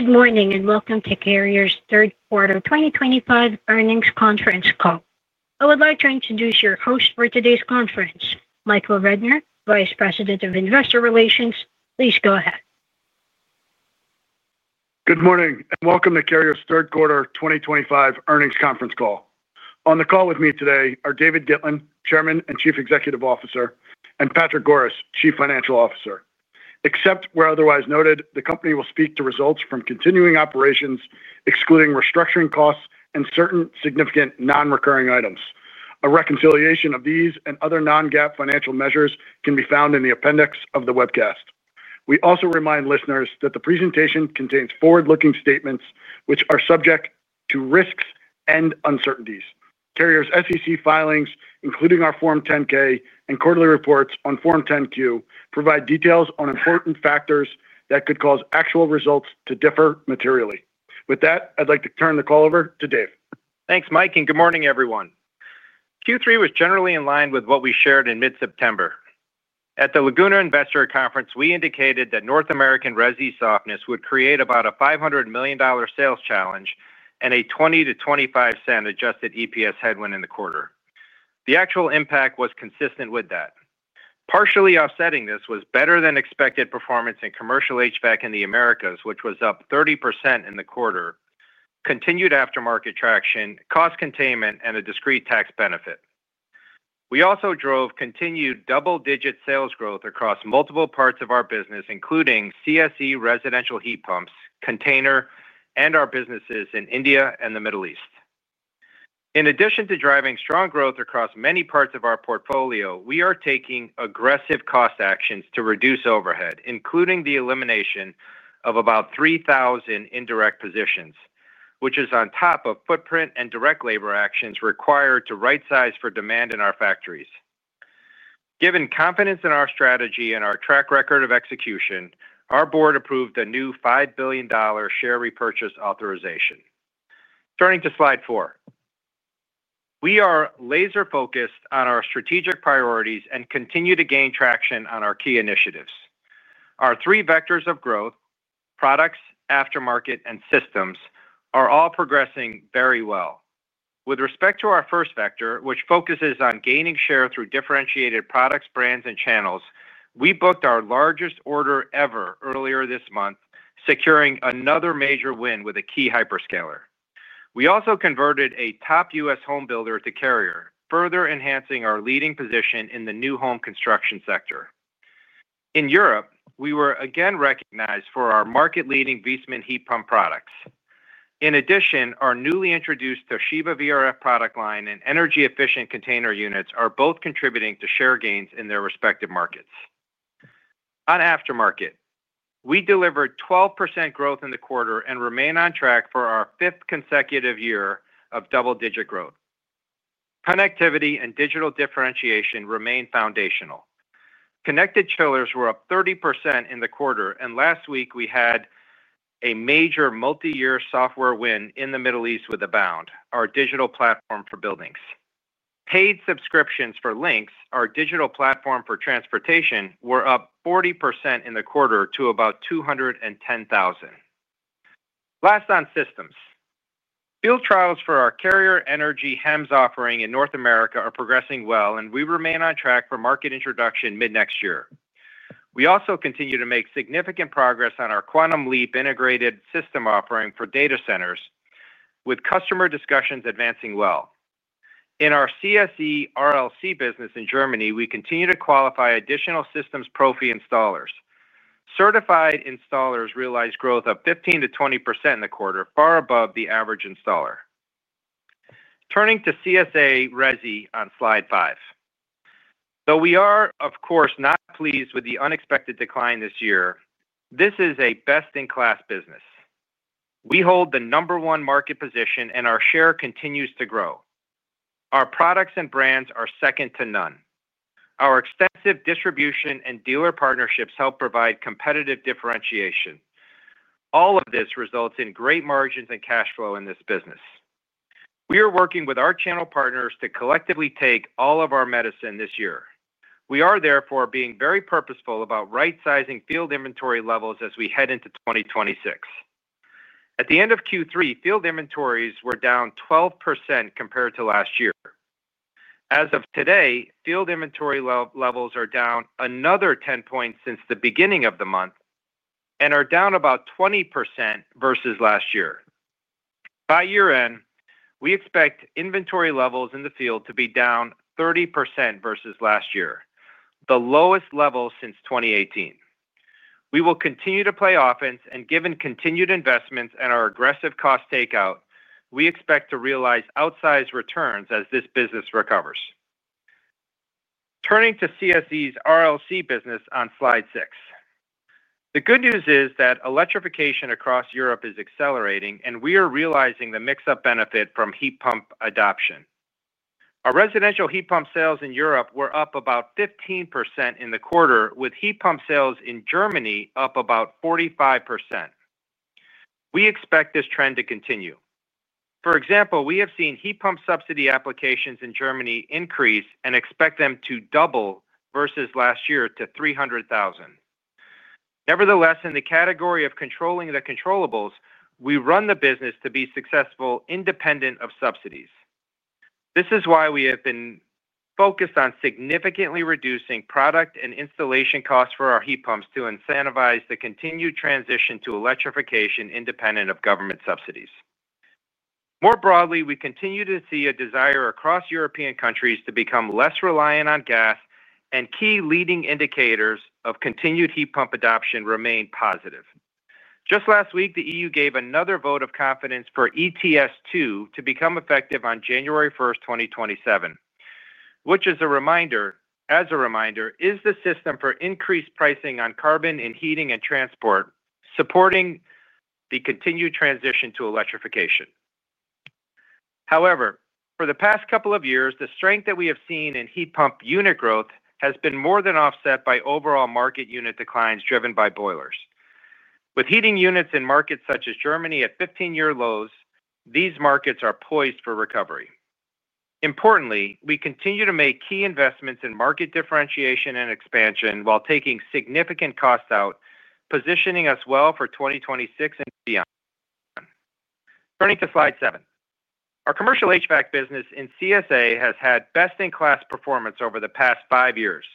Good morning and welcome to Carrier's third quarter 2025 earnings conference call. I would like to introduce your host for today's conference, Michael Rednor, Vice President of Investor Relations. Please go ahead. Good morning and welcome to Carrier's third quarter 2025 earnings conference call. On the call with me today are David Gitlin, Chairman and Chief Executive Officer, and Patrick Goris, Chief Financial Officer. Except where otherwise noted, the company will speak to results from continuing operations, excluding restructuring costs and certain significant non-recurring items. A reconciliation of these and other non-GAAP financial measures can be found in the appendix of the webcast. We also remind listeners that the presentation contains forward-looking statements, which are subject to risks and uncertainties. Carrier's SEC filings, including our Form 10-K and quarterly reports on Form 10-Q, provide details on important factors that could cause actual results to differ materially. With that, I'd like to turn the call over to Dave. Thanks, Mike, and good morning everyone. Q3 was generally in line with what we shared in mid-September. At the Laguna Investor Conference, we indicated that North American resi softness would create about a $500 million sales challenge and a 20%- 25% adjusted EPS headwind in the quarter. The actual impact was consistent with that. Partially offsetting this was better than expected performance in commercial HVAC in the Americas, which was up 30% in the quarter, continued aftermarket traction, cost containment, and a discrete tax benefit. We also drove continued double-digit sales growth across multiple parts of our business, including CSE residential heat pumps, container, and our businesses in India and the Middle East. In addition to driving strong growth across many parts of our portfolio, we are taking aggressive cost actions to reduce overhead, including the elimination of about 3,000 indirect positions, which is on top of footprint and direct labor actions required to right-size for demand in our factories. Given confidence in our strategy and our track record of execution, our board approved a new $5 billion share repurchase authorization. Turning to slide four, we are laser-focused on our strategic priorities and continue to gain traction on our key initiatives. Our three vectors of growth: products, aftermarket, and systems are all progressing very well. With respect to our first vector, which focuses on gaining share through differentiated products, brands, and channels, we booked our largest order ever earlier this month, securing another major win with a key hyperscaler. We also converted a top U.S. home builder to Carrier, further enhancing our leading position in the new home construction sector. In Europe, we were again recognized for our market-leading Viessmann heat pump products. In addition, our newly introduced Toshiba Carrier VRF systems product line and energy-efficient container units are both contributing to share gains in their respective markets. On aftermarket, we delivered 12% growth in the quarter and remain on track for our fifth consecutive year of double-digit growth. Connectivity and digital differentiation remain foundational. Connected chillers were up 30% in the quarter, and last week we had a major multi-year software win in the Middle East with Abound, our digital platform for buildings. Paid subscriptions for Linx, our digital platform for transportation, were up 40% in the quarter to about 210,000. Last on systems, field trials for our Carrier Energy HEMS offering in North America are progressing well, and we remain on track for market introduction mid-next year. We also continue to make significant progress on our QuantumLeap integrated system offering for data centers, with customer discussions advancing well. In our CSE RLC business in Germany, we continue to qualify additional systems profi installers. Certified installers realized growth of 15%-20% in the quarter, far above the average installer. Turning to CSA resi on slide five. Though we are, of course, not pleased with the unexpected decline this year, this is a best-in-class business. We hold the number one market position, and our share continues to grow. Our products and brands are second to none. Our extensive distribution and dealer partnerships help provide competitive differentiation. All of this results in great margins and cash flow in this business. We are working with our channel partners to collectively take all of our medicine this year. We are therefore being very purposeful about right-sizing field inventory levels as we head into 2026. At the end of Q3, field inventories were down 12% compared to last year. As of today, field inventory levels are down another 10 points since the beginning of the month and are down about 20% versus last year. By year-end, we expect inventory levels in the field to be down 30% versus last year, the lowest level since 2018. We will continue to play offense, and given continued investments and our aggressive cost takeout, we expect to realize outsized returns as this business recovers. Turning to CSE's RLC business on slide six. The good news is that electrification across Europe is accelerating, and we are realizing the mix-up benefit from heat pump adoption. Our residential heat pump sales in Europe were up about 15% in the quarter, with heat pump sales in Germany up about 45%. We expect this trend to continue. For example, we have seen heat pump subsidy applications in Germany increase and expect them to double versus last year to 300,000. Nevertheless, in the category of controlling the controllables, we run the business to be successful independent of subsidies. This is why we have been focused on significantly reducing product and installation costs for our heat pumps to incentivize the continued transition to electrification independent of government subsidies. More broadly, we continue to see a desire across European countries to become less reliant on gas, and key leading indicators of continued heat pump adoption remain positive. Just last week, the EU gave another vote of confidence for ETS2 to become effective on January 1, 2027, which is, as a reminder, the system for increased pricing on carbon in heating and transport supporting the continued transition to electrification. However, for the past couple of years, the strength that we have seen in heat pump unit growth has been more than offset by overall market unit declines driven by boilers. With heating units in markets such as Germany at 15-year lows, these markets are poised for recovery. Importantly, we continue to make key investments in market differentiation and expansion while taking significant costs out, positioning us well for 2026 and beyond. Turning to slide seven, our commercial HVAC business in CSA has had best-in-class performance over the past five years.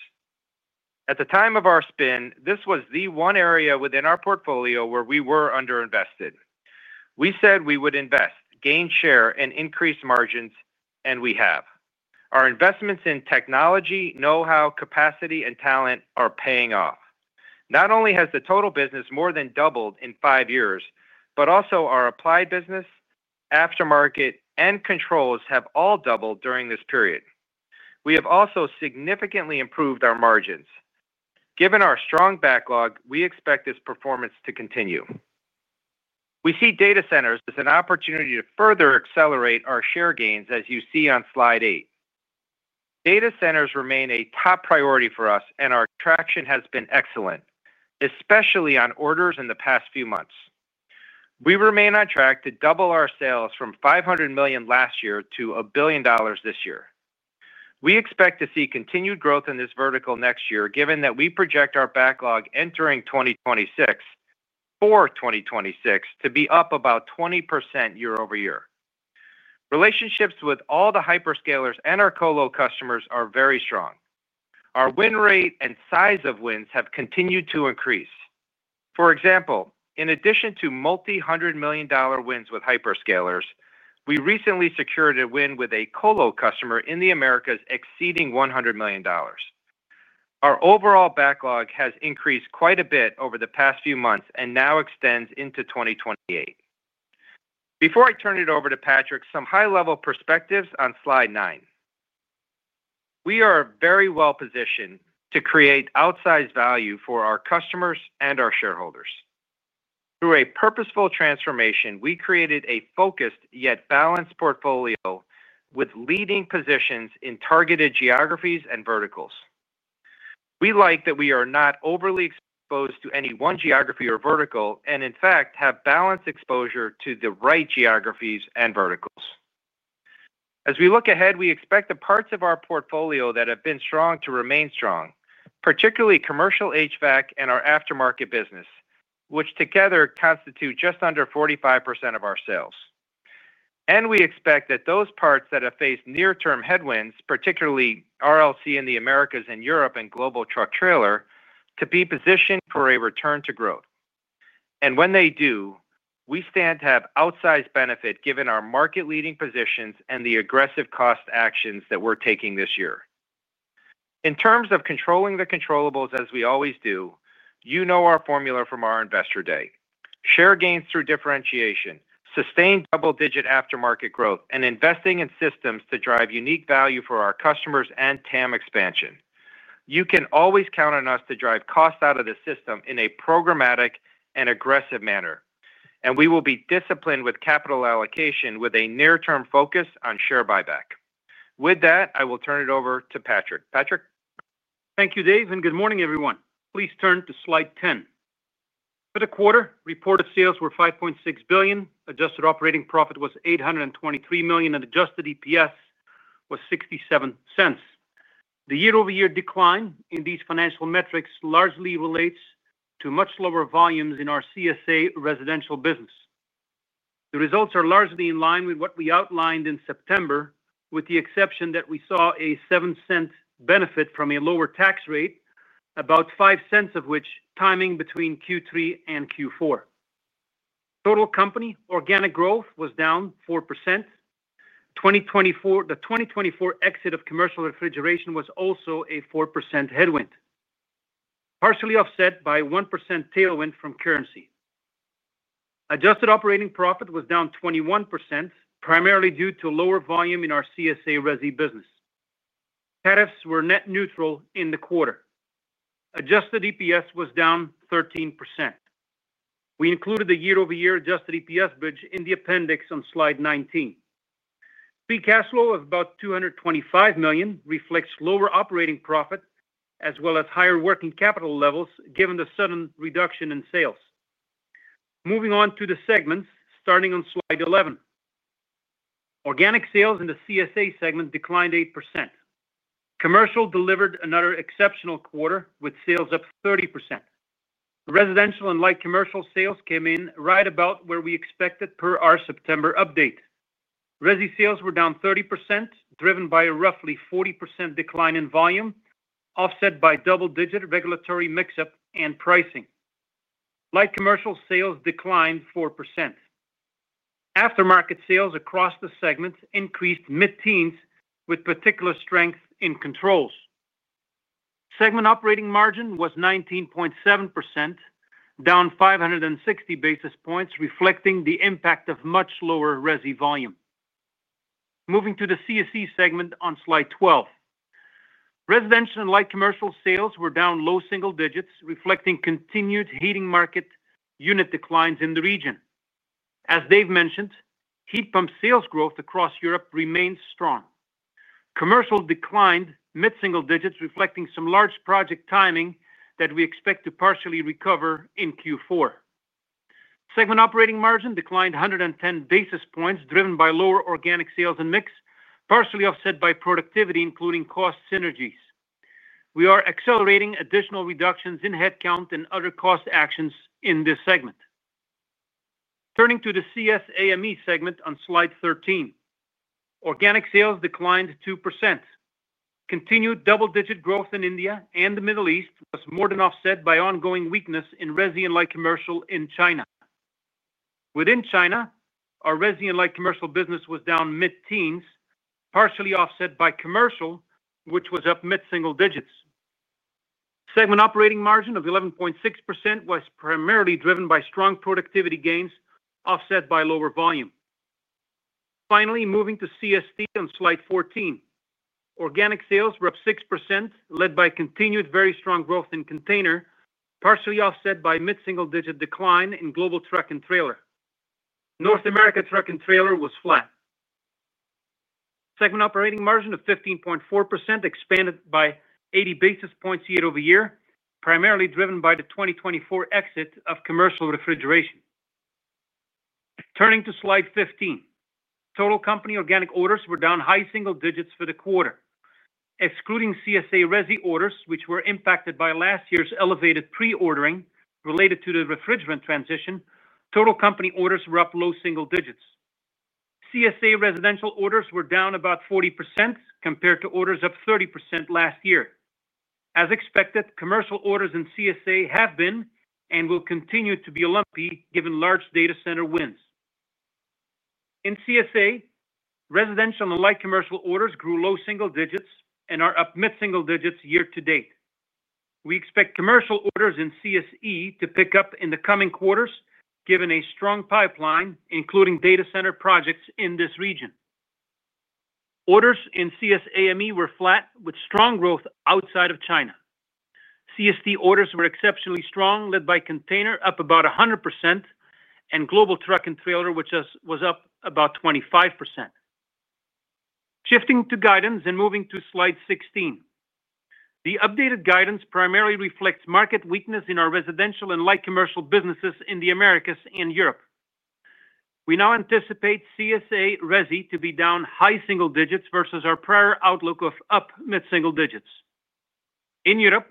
At the time of our spin, this was the one area within our portfolio where we were underinvested. We said we would invest, gain share, and increase margins, and we have. Our investments in technology, know-how, capacity, and talent are paying off. Not only has the total business more than doubled in five years, but also our applied business, aftermarket, and controls have all doubled during this period. We have also significantly improved our margins. Given our strong backlog, we expect this performance to continue. We see data centers as an opportunity to further accelerate our share gains, as you see on slide eight. Data centers remain a top priority for us, and our traction has been excellent, especially on orders in the past few months. We remain on track to double our sales from $500 million last year to $1 billion this year. We expect to see continued growth in this vertical next year, given that we project our backlog entering 2026 to be up about 20% year over year. Relationships with all the hyperscalers and our colo customers are very strong. Our win rate and size of wins have continued to increase. For example, in addition to multi-hundred million dollar wins with hyperscalers, we recently secured a win with a colo customer in the Americas exceeding $100 million. Our overall backlog has increased quite a bit over the past few months and now extends into 2028. Before I turn it over to Patrick, some high-level perspectives on slide nine. We are very well positioned to create outsized value for our customers and our shareholders. Through a purposeful transformation, we created a focused yet balanced portfolio with leading positions in targeted geographies and verticals. We like that we are not overly exposed to any one geography or vertical, and in fact, have balanced exposure to the right geographies and verticals. As we look ahead, we expect the parts of our portfolio that have been strong to remain strong, particularly commercial HVAC and our aftermarket business, which together constitute just under 45% of our sales. We expect that those parts that have faced near-term headwinds, particularly RLC in the Americas and Europe and global truck trailer, to be positioned for a return to growth. When they do, we stand to have outsized benefit given our market-leading positions and the aggressive cost actions that we're taking this year. In terms of controlling the controllables as we always do, you know our formula from our investor day: share gains through differentiation, sustained double-digit aftermarket growth, and investing in systems to drive unique value for our customers and TAM expansion. You can always count on us to drive costs out of the system in a programmatic and aggressive manner. We will be disciplined with capital allocation with a near-term focus on share buyback. With that, I will turn it over to Patrick. Patrick? Thank you, Dave, and good morning everyone. Please turn to slide 10. For the quarter, reported sales were $5.6 billion, adjusted operating profit was $823 million, and adjusted EPS was $0.67. The year-over-year decline in these financial metrics largely relates to much lower volumes in our CSA residential business. The results are largely in line with what we outlined in September, with the exception that we saw a $0.07 benefit from a lower tax rate, about $0.05 of which is timing between Q3 and Q4. Total company organic growth was down 4%. The 2024 exit of commercial refrigeration was also a 4% headwind, partially offset by a 1% tailwind from currency. Adjusted operating profit was down 21%, primarily due to lower volume in our CSA resi business. CAATFs were net neutral in the quarter. Adjusted EPS was down 13%. We included the year-over-year adjusted EPS bridge in the appendix on slide 19. Free cash flow of about $225 million reflects lower operating profit as well as higher working capital levels given the sudden reduction in sales. Moving on to the segments, starting on slide 11, organic sales in the CSA segment declined 8%. Commercial delivered another exceptional quarter with sales up 30%. Residential and light commercial sales came in right about where we expected per our September update. Resi sales were down 30%, driven by a roughly 40% decline in volume, offset by double-digit regulatory mix-up and pricing. Light commercial sales declined 4%. Aftermarket sales across the segments increased mid-teens, with particular strength in controls. Segment operating margin was 19.7%, down 560 basis points, reflecting the impact of much lower resi volume. Moving to the CSE segment on slide 12, residential and light commercial sales were down low single digits, reflecting continued heating market unit declines in the region. As Dave mentioned, heat pump sales growth across Europe remains strong. Commercial declined mid-single digits, reflecting some large project timing that we expect to partially recover in Q4. Segment operating margin declined 110 basis points, driven by lower organic sales and mix, partially offset by productivity, including cost synergies. We are accelerating additional reductions in headcount and other cost actions in this segment. Turning to the CSAME segment on slide 13, organic sales declined 2%. Continued double-digit growth in India and the Middle East was more than offset by ongoing weakness in resi and light commercial in China. Within China, our resi and light commercial business was down mid-teens, partially offset by commercial, which was up mid-single digits. Segment operating margin of 11.6% was primarily driven by strong productivity gains, offset by lower volume. Finally, moving to CSD on slide 14, organic sales were up 6%, led by continued very strong growth in container, partially offset by mid-single digit decline in global truck and trailer. North America truck and trailer was flat. Segment operating margin of 15.4% expanded by 80 basis points year over year, primarily driven by the 2024 exit of commercial refrigeration. Turning to slide 15, total company organic orders were down high single digits for the quarter. Excluding CSA resi orders, which were impacted by last year's elevated pre-ordering related to the refrigerant transition, total company orders were up low single digits. CSA residential orders were down about 40% compared to orders of 30% last year. As expected, commercial orders in CSA have been and will continue to be lumpy given large data center wins. In CSA, residential and light commercial orders grew low single digits and are up mid-single digits year to date. We expect commercial orders in CSE to pick up in the coming quarters, given a strong pipeline, including data center projects in this region. Orders in CSAME were flat, with strong growth outside of China. CSD orders were exceptionally strong, led by container, up about 100%, and global truck and trailer, which was up about 25%. Shifting to guidance and moving to slide 16, the updated guidance primarily reflects market weakness in our residential and light commercial businesses in the Americas and Europe. We now anticipate CSA resi to be down high single digits versus our prior outlook of up mid-single digits. In Europe,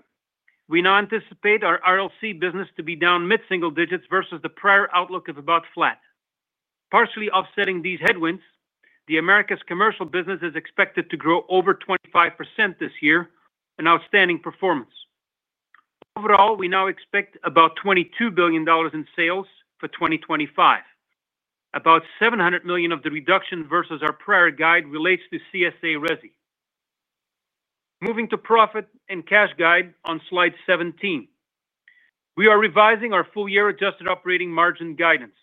we now anticipate our RLC business to be down mid-single digits versus the prior outlook of about flat. Partially offsetting these headwinds, the Americas commercial business is expected to grow over 25% this year, an outstanding performance. Overall, we now expect about $22 billion in sales for 2025. About $700 million of the reduction versus our prior guide relates to CSA resi. Moving to profit and cash guide on slide 17, we are revising our full-year adjusted operating margin guidance.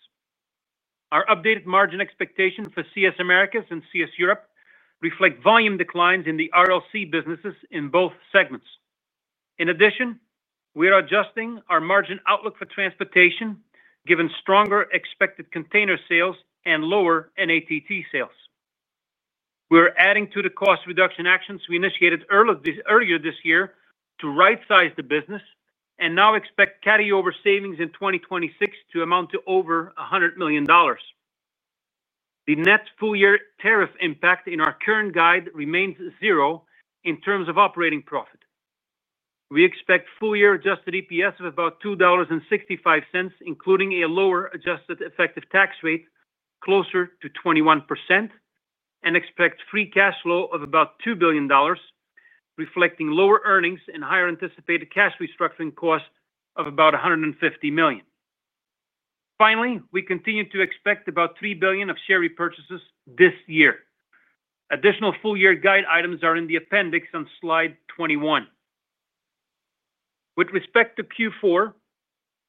Our updated margin expectations for CS Americas and CS Europe reflect volume declines in the RLC businesses in both segments. In addition, we are adjusting our margin outlook for transportation, given stronger expected container sales and lower NATT sales. We're adding to the cost reduction actions we initiated earlier this year to right-size the business and now expect carryover savings in 2026 to amount to over $100 million. The net full-year tariff impact in our current guide remains zero in terms of operating profit. We expect full-year adjusted EPS of about $2.65, including a lower adjusted effective tax rate closer to 21%, and expect free cash flow of about $2 billion, reflecting lower earnings and higher anticipated cash restructuring cost of about $150 million. Finally, we continue to expect about $3 billion of share repurchases this year. Additional full-year guide items are in the appendix on slide 21. With respect to Q4,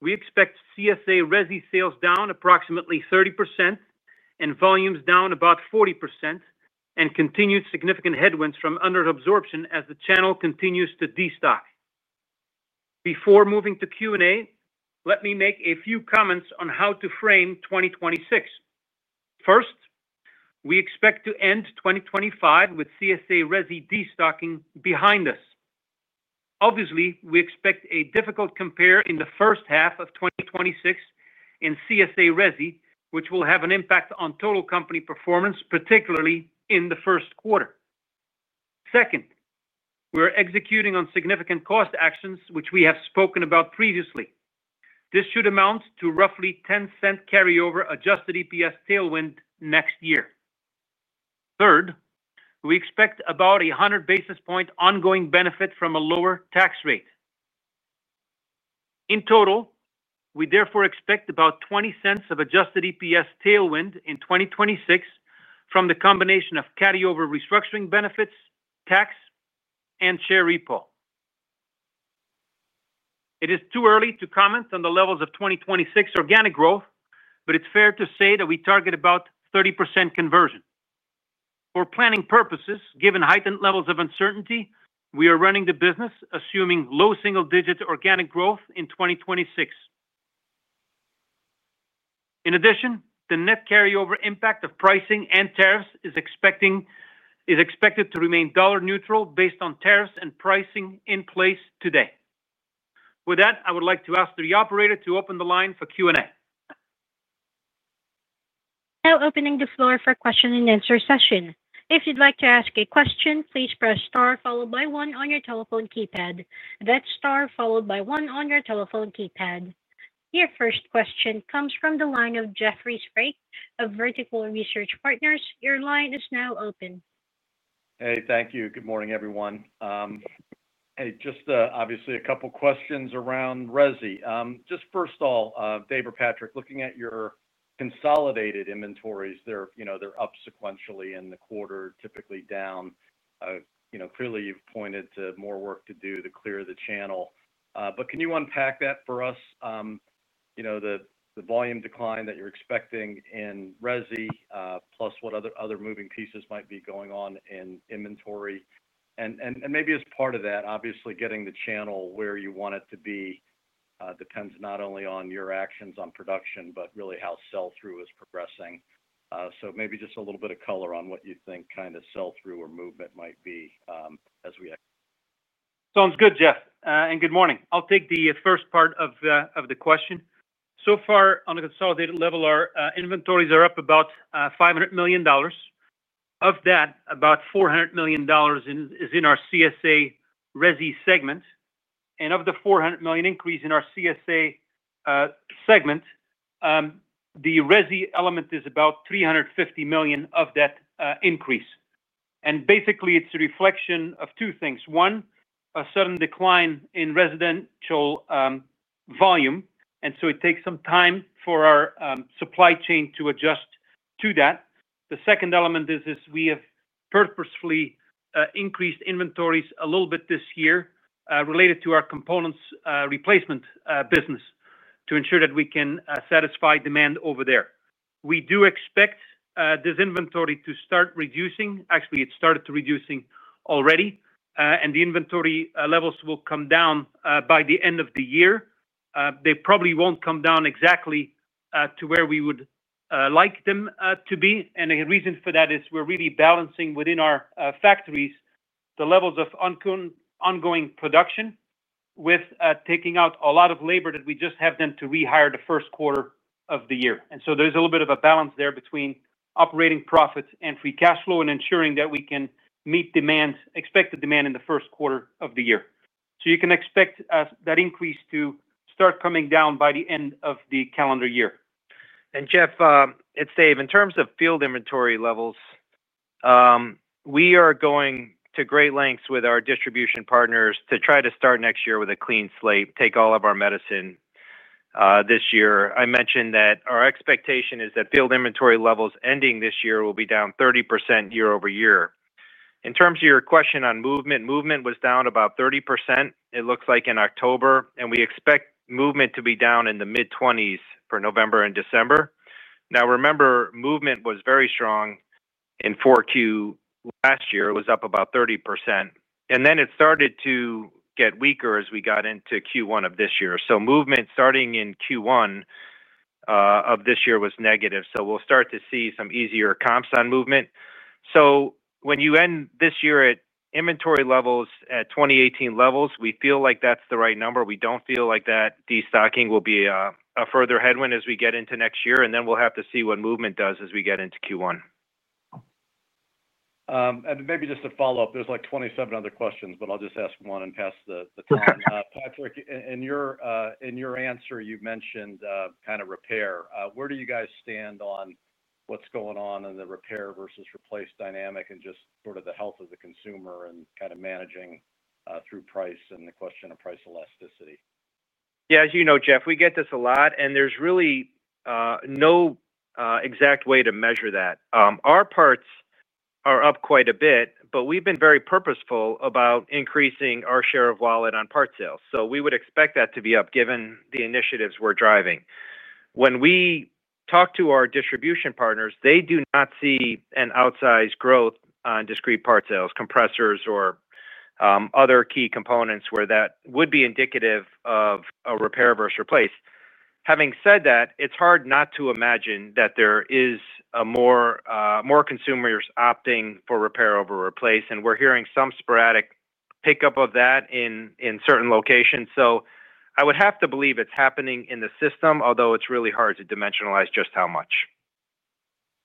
we expect CSA resi sales down approximately 30% and volumes down about 40% and continued significant headwinds from underabsorption as the channel continues to destock. Before moving to Q&A, let me make a few comments on how to frame 2026. First, we expect to end 2025 with CSA resi destocking behind us. Obviously, we expect a difficult compare in the first half of 2026 in CSA resi, which will have an impact on total company performance, particularly in the first quarter. Second, we're executing on significant cost actions, which we have spoken about previously. This should amount to roughly $0.10 carryover adjusted EPS tailwind next year. Third, we expect about a 100 basis point ongoing benefit from a lower tax rate. In total, we therefore expect about $0.20 of adjusted EPS tailwind in 2026 from the combination of carryover restructuring benefits, tax, and share repo. It is too early to comment on the levels of 2026 organic growth, but it's fair to say that we target about 30% conversion. For planning purposes, given heightened levels of uncertainty, we are running the business assuming low single-digit organic growth in 2026. In addition, the net carryover impact of pricing and tariffs is expected to remain dollar neutral based on tariffs and pricing in place today. With that, I would like to ask the operator to open the line for Q&A. Now opening the floor for a question and answer session. If you'd like to ask a question, please press star followed by one on your telephone keypad. That's star followed by one on your telephone keypad. Your first question comes from the line of Jeffrey Sprague of Vertical Research Partners. Your line is now open. Hey, thank you. Good morning everyone. Just obviously a couple of questions around resi. First off, Dave or Patrick, looking at your consolidated inventories, they're up sequentially in the quarter, typically down. Clearly you've pointed to more work to do to clear the channel. Can you unpack that for us? The volume decline that you're expecting in resi, plus what other moving pieces might be going on in inventory? Maybe as part of that, obviously getting the channel where you want it to be depends not only on your actions on production, but really how sell-through is progressing. Maybe just a little bit of color on what you think kind of sell-through or movement might be as we. Sounds good, Jeff. Good morning. I'll take the first part of the question. So far, on a consolidated level, our inventories are up about $500 million. Of that, about $400 million is in our CSA resi segment. Of the $400 million increase in our CSA segment, the resi element is about $350 million of that increase. Basically, it's a reflection of two things. One, a sudden decline in residential volume, and it takes some time for our supply chain to adjust to that. The second element is we have purposefully increased inventories a little bit this year related to our components replacement business to ensure that we can satisfy demand over there. We do expect this inventory to start reducing. Actually, it started reducing already, and the inventory levels will come down by the end of the year. They probably won't come down exactly to where we would like them to be. The reason for that is we're really balancing within our factories the levels of ongoing production with taking out a lot of labor that we just had to rehire the first quarter of the year. There's a little bit of a balance there between operating profits and free cash flow and ensuring that we can meet expected demand in the first quarter of the year. You can expect that increase to start coming down by the end of the calendar year. Jeff, it's Dave. In terms of field inventory levels, we are going to great lengths with our distribution partners to try to start next year with a clean slate, take all of our medicine this year. I mentioned that our expectation is that field inventory levels ending this year will be down 30% year over year. In terms of your question on movement, movement was down about 30%, it looks like in October, and we expect movement to be down in the mid-20% for November and December. Now remember, movement was very strong in Q4 last year. It was up about 30%, and then it started to get weaker as we got into Q1 of this year. Movement starting in Q1 of this year was negative. We'll start to see some easier comps on movement. When you end this year at inventory levels at 2018 levels, we feel like that's the right number. We don't feel like that destocking will be a further headwind as we get into next year. We'll have to see what movement does as we get into Q1. Maybe just to follow up, there's like 27 other questions, but I'll just ask one and pass the time. Patrick, in your answer, you mentioned kind of repair. Where do you guys stand on what's going on in the repair versus replace dynamic and just sort of the health of the consumer and kind of managing through price and the question of price elasticity? Yeah, as you know, Jeff, we get this a lot, and there's really no exact way to measure that. Our parts are up quite a bit, but we've been very purposeful about increasing our share of wallet on part sales. We would expect that to be up given the initiatives we're driving. When we talk to our distribution partners, they do not see an outsized growth on discrete part sales, compressors, or other key components where that would be indicative of a repair versus replace. Having said that, it's hard not to imagine that there are more consumers opting for repair over replace, and we're hearing some sporadic pickup of that in certain locations. I would have to believe it's happening in the system, although it's really hard to dimensionalize just how much.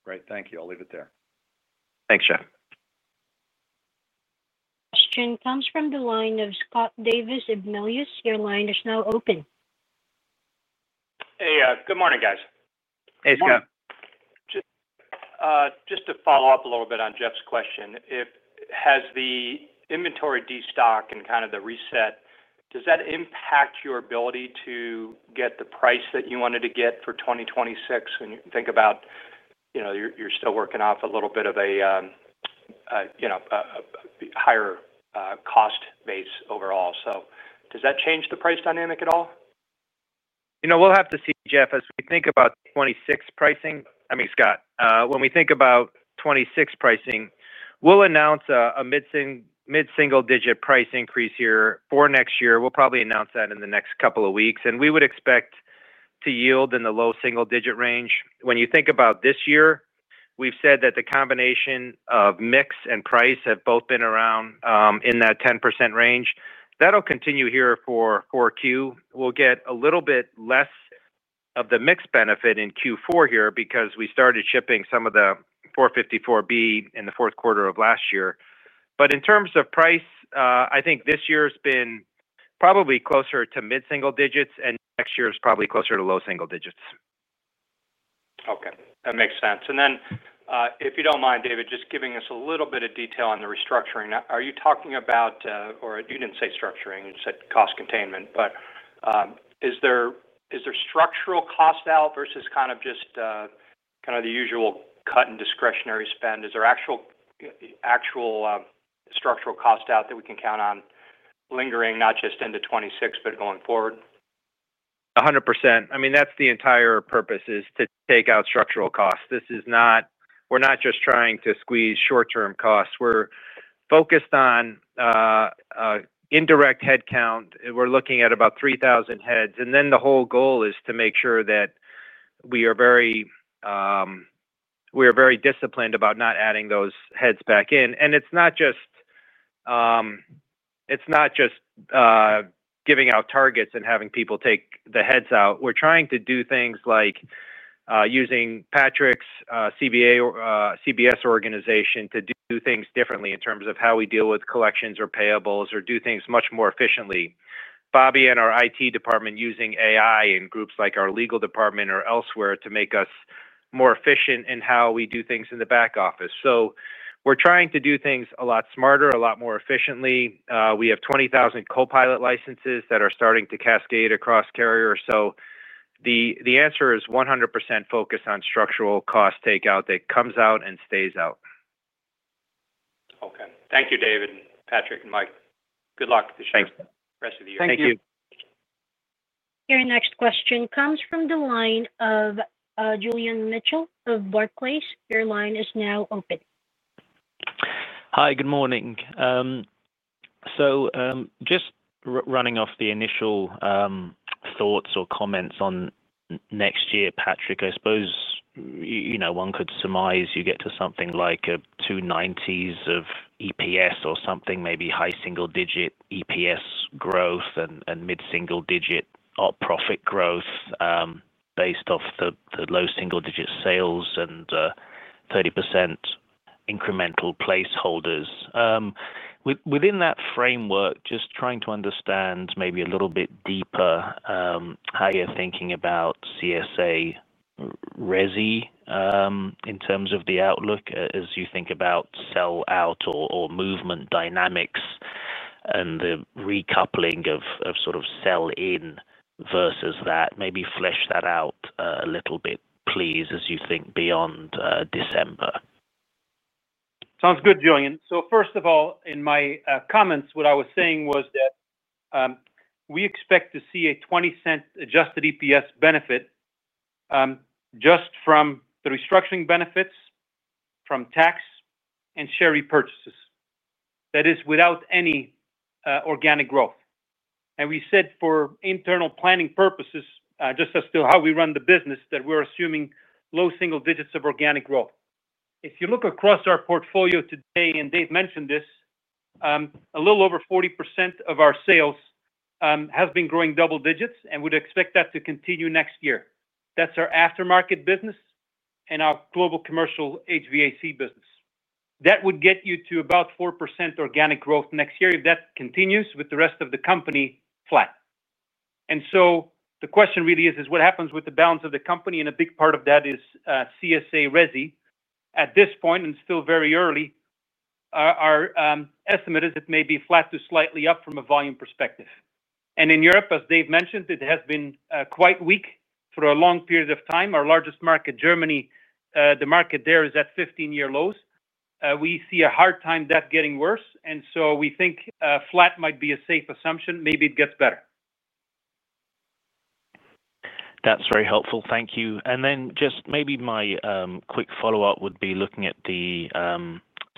Right, thank you. I'll leave it there. Thanks, Jeff. Question comes from the line of Scott Davis of Melius. Your line is now open. Hey, good morning guys. Hey Scott. Just to follow up a little bit on Jeff's question, if the inventory destock and kind of the reset, does that impact your ability to get the price that you wanted to get for 2026 when you think about, you know, you're still working off a little bit of a, you know, a higher cost base overall? Does that change the price dynamic at all? You know, we'll have to see, Jeff, as we think about 2026 pricing. I mean, Scott, when we think about 2026 pricing, we'll announce a mid-single digit price increase here for next year. We'll probably announce that in the next couple of weeks, and we would expect to yield in the low single digit range. When you think about this year, we've said that the combination of mix and price have both been around in that 10% range. That'll continue here for Q4. We'll get a little bit less of the mix benefit in Q4 here because we started shipping some of the 454B in the fourth quarter of last year. In terms of price, I think this year's been probably closer to mid-single digits, and next year's probably closer to low single digits. Okay, that makes sense. If you don't mind, David, just giving us a little bit of detail on the restructuring. Are you talking about, or you didn't say structuring, you said cost containment, but is there structural cost out versus kind of just the usual cut and discretionary spend? Is there actual structural cost out that we can count on lingering, not just into 2026, but going forward? 100%. I mean, that's the entire purpose is to take out structural costs. This is not, we're not just trying to squeeze short-term costs. We're focused on indirect headcount. We're looking at about 3,000 heads, and the whole goal is to make sure that we are very disciplined about not adding those heads back in. It's not just giving out targets and having people take the heads out. We're trying to do things like using Patrick Goris' CBS organization to do things differently in terms of how we deal with collections or payables or do things much more efficiently. Bobby George and our IT department are using AI in groups like our legal department or elsewhere to make us more efficient in how we do things in the back office. We're trying to do things a lot smarter, a lot more efficiently. We have 20,000 Copilot licenses that are starting to cascade across Carrier. The answer is 100% focused on structural cost takeout that comes out and stays out. Okay, thank you, David and Patrick and Mike. Good luck this year. Thanks. Rest of the year. Thank you. Your next question comes from the line of Julian Mitchell of Barclays. Your line is now open. Hi, good morning. Just running off the initial thoughts or comments on next year, Patrick, I suppose, you know, one could surmise you get to something like a $2.90s of EPS or something, maybe high single-digit EPS growth and mid-single-digit profit growth based off the low single-digit sales and 30% incremental placeholders. Within that framework, just trying to understand maybe a little bit deeper how you're thinking about CSA resi in terms of the outlook as you think about sell-out or movement dynamics and the recoupling of sort of sell-in versus that. Maybe flesh that out a little bit, please, as you think beyond December. Sounds good, Julian. In my comments, what I was saying was that we expect to see a $0.20 adjusted EPS benefit just from the restructuring benefits, from tax, and share repurchases. That is without any organic growth. We said for internal planning purposes, just as to how we run the business, that we're assuming low single digits of organic growth. If you look across our portfolio today, and Dave mentioned this, a little over 40% of our sales have been growing double digits and would expect that to continue next year. That's our aftermarket business and our global commercial HVAC business. That would get you to about 4% organic growth next year if that continues with the rest of the company flat. The question really is, what happens with the balance of the company? A big part of that is CSA resi. At this point, and it's still very early, our estimate is it may be flat to slightly up from a volume perspective. In Europe, as Dave mentioned, it has been quite weak for a long period of time. Our largest market, Germany, the market there is at 15-year lows. We see a hard time that getting worse. We think flat might be a safe assumption. Maybe it gets better. That's very helpful. Thank you. My quick follow-up would be looking at the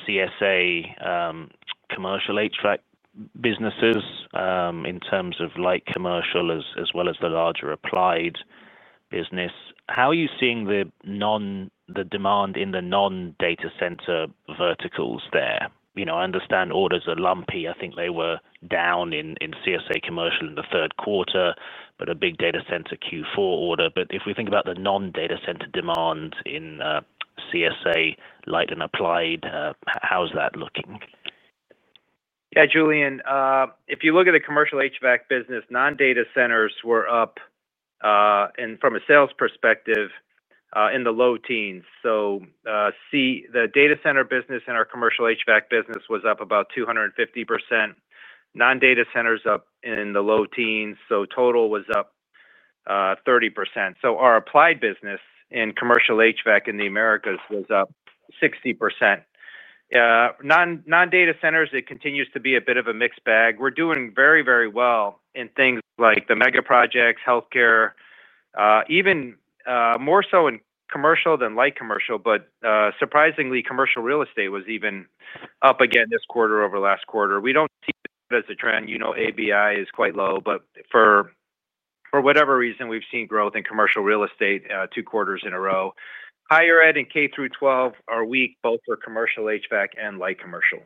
CSA commercial HVAC businesses in terms of light commercial as well as the larger applied business. How are you seeing the demand in the non-data center verticals there? I understand orders are lumpy. I think they were down in CSA commercial in the third quarter, but a big data center Q4 order. If we think about the non-data center demand in CSA light and applied, how's that looking? Yeah, Julian, if you look at the commercial HVAC business, non-data centers were up, and from a sales perspective, in the low teens. The data center business and our commercial HVAC business was up about 250%. Non-data centers up in the low teens. Total was up 30%. Our applied business in commercial HVAC in the Americas was up 60%. Non-data centers, it continues to be a bit of a mixed bag. We're doing very, very well in things like the mega projects, healthcare, even more so in commercial than light commercial. Surprisingly, commercial real estate was even up again this quarter over last quarter. We don't see that as a trend. ABI is quite low, but for whatever reason, we've seen growth in commercial real estate two quarters in a row. Higher ed and K through 12 are weak, both for commercial HVAC and light commercial.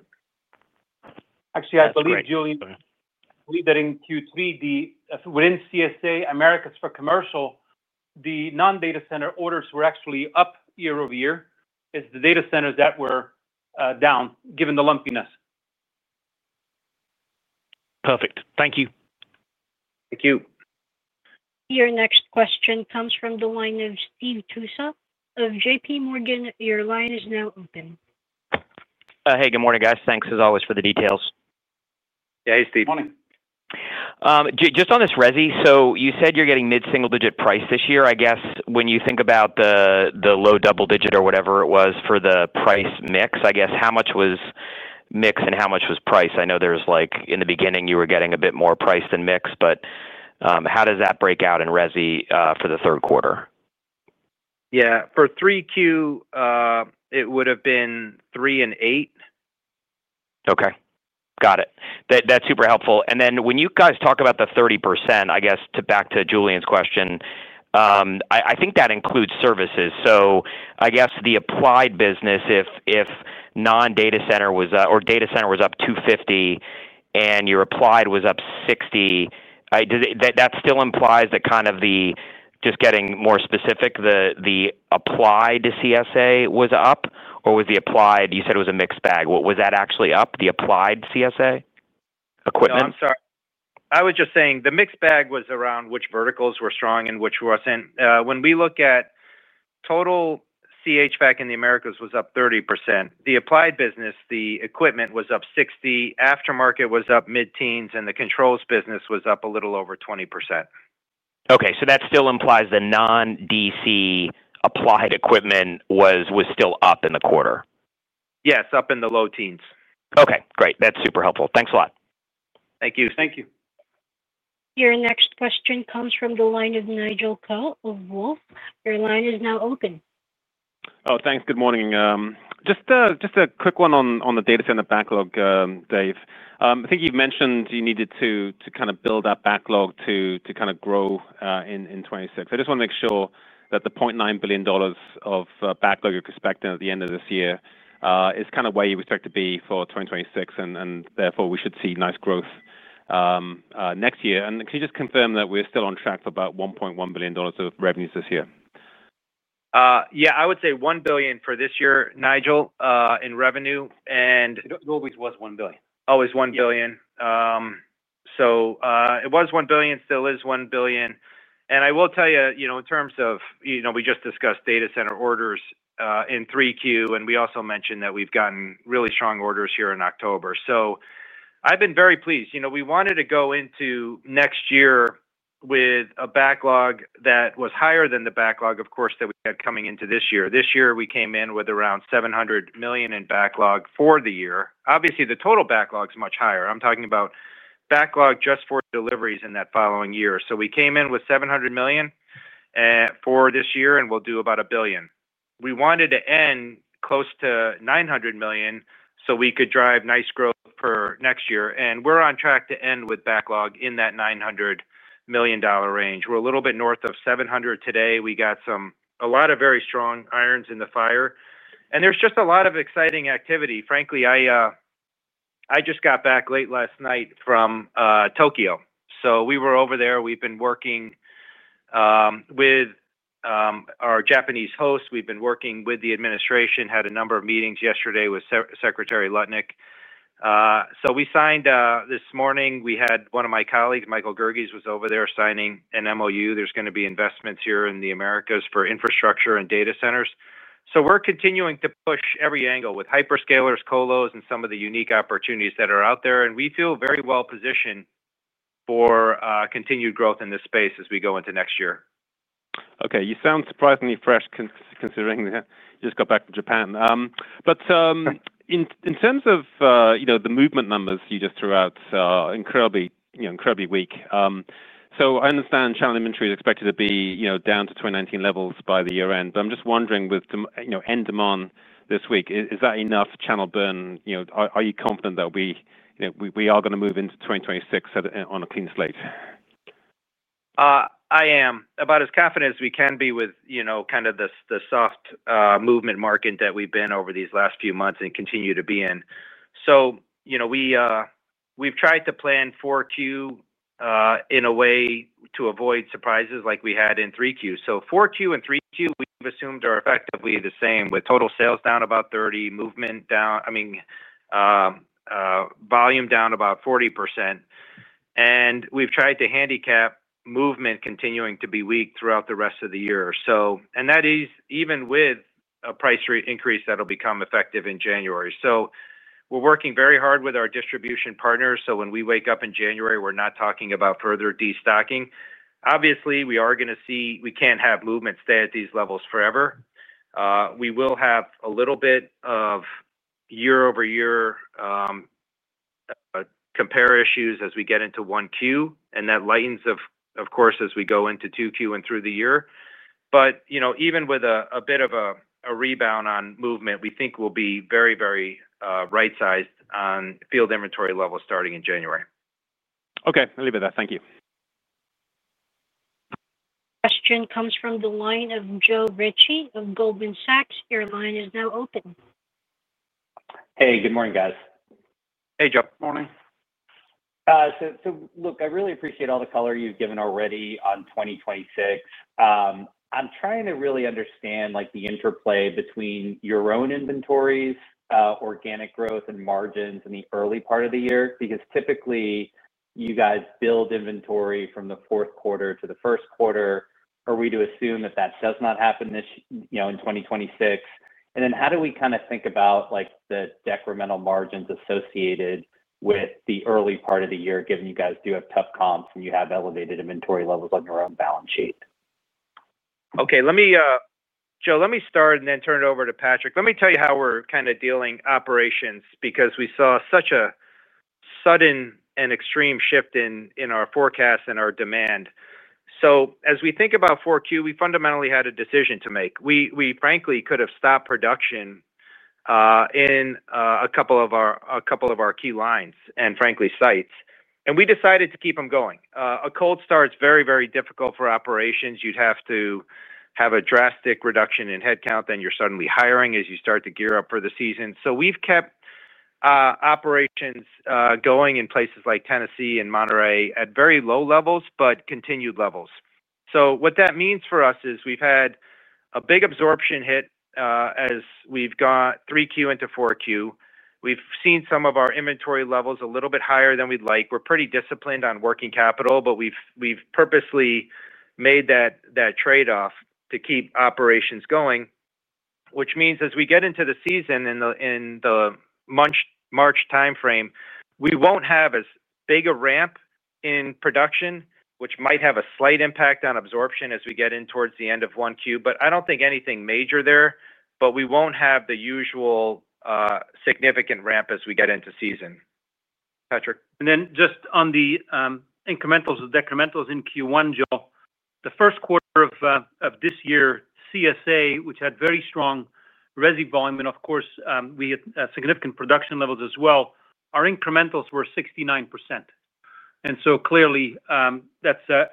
I believe that in Q3, within CSA Americas for commercial, the non-data center orders were actually up year over year. It's the data centers that were down given the lumpiness. Perfect. Thank you. Thank you. Your next question comes from the line of Steve Tusa of J.P. Morgan. Your line is now open. Hey, good morning guys. Thanks as always for the details. Hey Steve. Morning. Just on this resi, you said you're getting mid-single digit price this year. When you think about the low double digit or whatever it was for the price mix, how much was mix and how much was price? I know in the beginning you were getting a bit more price than mix, but how does that break out in resi for the third quarter? Yeah, for 3Q, it would have been 3 and 8. Okay, got it. That's super helpful. When you guys talk about the 30%, I guess to go back to Julian's question, I think that includes services. I guess the applied business, if non-data center was up or data center was up 250 and your applied was up 60, that still implies that, just getting more specific, the applied CSA was up or was the applied, you said it was a mixed bag. Was that actually up, the applied CSA equipment? I'm sorry. I was just saying the mixed bag was around which verticals were strong and which weren't. When we look at total CHVAC in the Americas, it was up 30%. The applied business, the equipment was up 60%, aftermarket was up mid-teens, and the controls business was up a little over 20%. Okay, so that still implies the non-DC applied equipment was still up in the quarter. Yes, up in the low teens. Okay, great. That's super helpful. Thanks a lot. Thank you. Thank you. Your next question comes from the line of Nigel Coe of Wolfe. Your line is now open. Thanks. Good morning. Just a quick one on the data center backlog, Dave. I think you've mentioned you needed to build that backlog to grow in 2026. I just want to make sure that the $0.9 billion of backlog you're expecting at the end of this year is where you expect to be for 2026, and therefore we should see nice growth next year. Can you just confirm that we're still on track for about $1.1 billion of revenues this year? Yeah, I would say $1 billion for this year, Nigel, in revenue. It always was $1 billion. Always $1 billion. It was $1 billion, still is $1 billion. I will tell you, in terms of, you know, we just discussed data center orders in 3Q, and we also mentioned that we've gotten really strong orders here in October. I've been very pleased. We wanted to go into next year with a backlog that was higher than the backlog that we had coming into this year. This year we came in with around $700 million in backlog for the year. Obviously, the total backlog is much higher. I'm talking about backlog just for deliveries in that following year. We came in with $700 million for this year, and we'll do about $1 billion. We wanted to end close to $900 million so we could drive nice growth for next year. We're on track to end with backlog in that $900 million range. We're a little bit north of $700 million today. We got a lot of very strong irons in the fire. There's just a lot of exciting activity. Frankly, I just got back late last night from Tokyo. We were over there. We've been working with our Japanese host. We've been working with the administration, had a number of meetings yesterday with Secretary Lutnick. We signed this morning. One of my colleagues, Michael Gerges, was over there signing an MOU. There are going to be investments here in the Americas for infrastructure and data centers. We're continuing to push every angle with hyperscalers, colos, and some of the unique opportunities that are out there. We feel very well positioned for continued growth in this space as we go into next year. Okay, you sound surprisingly fresh considering you just got back from Japan. In terms of the movement numbers you just threw out, incredibly, you know, incredibly weak. I understand channel inventory is expected to be down to 2019 levels by the year end. I'm just wondering, with the end demand this week, is that enough channel burn? Are you confident that we are going to move into 2026 on a clean slate? I am about as confident as we can be with, you know, kind of the soft movement market that we've been over these last few months and continue to be in. We've tried to plan 4Q in a way to avoid surprises like we had in 3Q. 4Q and 3Q we've assumed are effectively the same with total sales down about 30%, movement down, I mean, volume down about 40%. We've tried to handicap movement continuing to be weak throughout the rest of the year, and that is even with a price rate increase that'll become effective in January. We're working very hard with our distribution partners. When we wake up in January, we're not talking about further destocking. Obviously, we are going to see, we can't have movement stay at these levels forever. We will have a little bit of year-over-year compare issues as we get into 1Q. That lightens, of course, as we go into 2Q and through the year. Even with a bit of a rebound on movement, we think we'll be very, very right-sized on field inventory levels starting in January. Okay, I'll leave it at that. Thank you. Question comes from the line of Joe Ritchie of Goldman Sachs. Your line is now open. Hey, good morning guys. Hey Joe. Morning. I really appreciate all the color you've given already on 2026. I'm trying to really understand like the interplay between your own inventories, organic growth, and margins in the early part of the year. Typically, you guys build inventory from the fourth quarter to the first quarter, or we do assume that that does not happen in 2026. How do we kind of think about like the decremental margins associated with the early part of the year, given you guys do have tough comps and you have elevated inventory levels on your own balance sheet? Okay, let me start and then turn it over to Patrick. Let me tell you how we're kind of dealing operations because we saw such a sudden and extreme shift in our forecast and our demand. As we think about 4Q, we fundamentally had a decision to make. We frankly could have stopped production in a couple of our key lines and frankly sites. We decided to keep them going. A cold start is very, very difficult for operations. You'd have to have a drastic reduction in headcount. You're suddenly hiring as you start to gear up for the season. We've kept operations going in places like Tennessee and Monterrey at very low levels, but continued levels. What that means for us is we've had a big absorption hit as we've gone 3Q into 4Q. We've seen some of our inventory levels a little bit higher than we'd like. We're pretty disciplined on working capital, but we've purposely made that trade-off to keep operations going, which means as we get into the season in the March timeframe, we won't have as big a ramp in production, which might have a slight impact on absorption as we get in towards the end of 1Q. I don't think anything major there, but we won't have the usual significant ramp as we get into season. Patrick. On the incrementals or decrementals in Q1, Joe, the first quarter of this year, CSA, which had very strong resi volume, and of course, we had significant production levels as well, our incrementals were 69%. It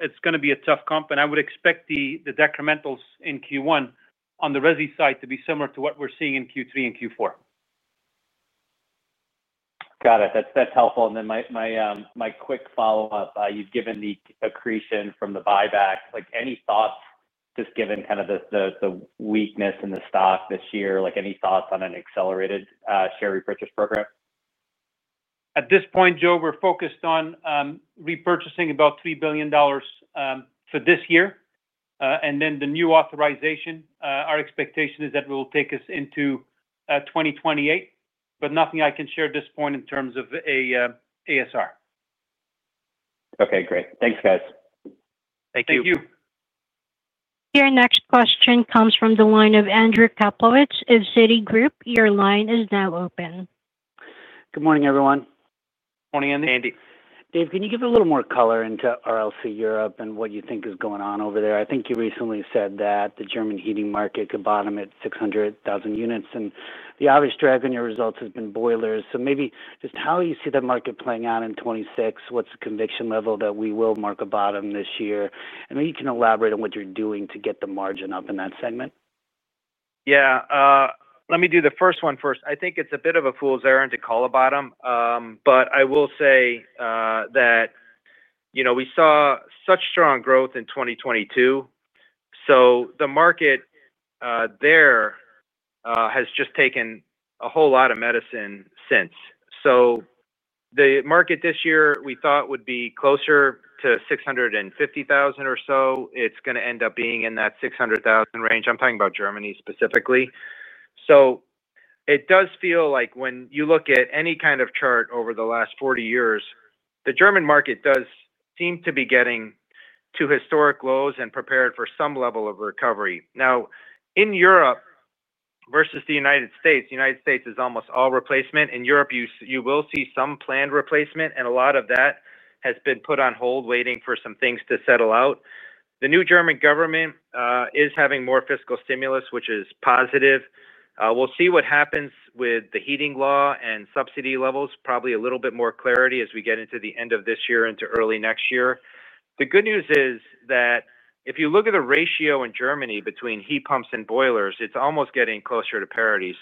is going to be a tough comp, and I would expect the decrementals in Q1 on the resi side to be similar to what we're seeing in Q3 and Q4. Got it. That's helpful. You've given the accretion from the buyback. Like any thoughts, just given kind of the weakness in the stock this year, like any thoughts on an accelerated share repurchase program? At this point, Joe, we're focused on repurchasing about $3 billion for this year. The new authorization, our expectation is that it will take us into 2028, but nothing I can share at this point in terms of ASR. Okay, great. Thanks, guys. Thank you. Thank you. Your next question comes from the line of Andrew Kaplowitz of Citigroup. Your line is now open. Good morning, everyone. Morning, Andy. Andy, Dave, can you give a little more color into RLC Europe and what you think is going on over there? I think you recently said that the German heating market could bottom at 600,000 units, and the obvious drag on your results has been boilers. Maybe just how you see that market playing out in 2026, what's the conviction level that we will mark a bottom this year? Maybe you can elaborate on what you're doing to get the margin up in that segment. Let me do the first one first. I think it's a bit of a fool's errand to call a bottom. I will say that we saw such strong growth in 2022. The market there has just taken a whole lot of medicine since. The market this year we thought would be closer to 650,000 or so. It's going to end up being in that 600,000 range. I'm talking about Germany specifically. It does feel like when you look at any kind of chart over the last 40 years, the German market does seem to be getting to historic lows and prepared for some level of recovery. In Europe versus the U.S., the U.S. is almost all replacement. In Europe, you will see some planned replacement, and a lot of that has been put on hold waiting for some things to settle out. The new German government is having more fiscal stimulus, which is positive. We'll see what happens with the heating law and subsidy levels, probably a little bit more clarity as we get into the end of this year into early next year. The good news is that if you look at the ratio in Germany between heat pumps and boilers, it's almost getting closer to parity.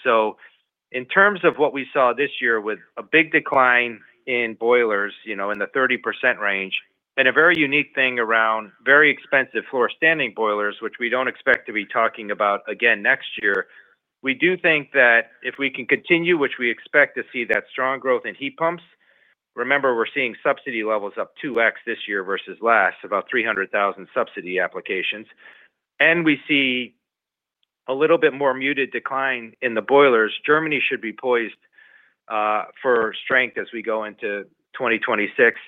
In terms of what we saw this year with a big decline in boilers, in the 30% range, and a very unique thing around very expensive floor standing boilers, which we don't expect to be talking about again next year, we do think that if we can continue, which we expect to see that strong growth in heat pumps, remember we're seeing subsidy levels up 2x this year versus last, about 300,000 subsidy applications. We see a little bit more muted decline in the boilers. Germany should be poised for strength as we go into 2026.